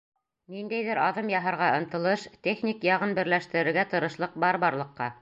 Ниндәйҙер аҙым яһарға ынтылыш, техник яғын берләштерергә тырышлыҡ бар-барлыҡҡа.